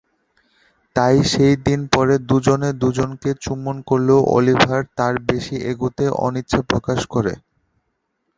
তাই সেই দিন পরে দু’জনে দু’জনকে চুম্বন করলেও অলিভার তার বেশি এগোতে অনিচ্ছা প্রকাশ করে।